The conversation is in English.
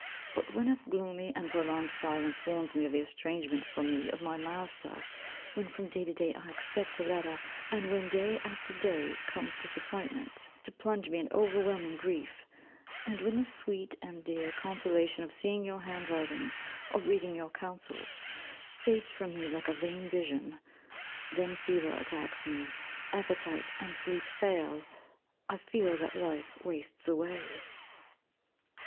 But when a gloomy and prolonged silence warns me of the estrangement from me of my Master, when from day to day I expect a letter, and when, day after day, comes disappointment, to plunge me in overwhelming grief; and when the sweet and dear consolation of seeing your handwriting, of reading your counsels, fades from me like a vain vision, then fever attacks me, appetite and sleep fail: I feel that life wastes away.'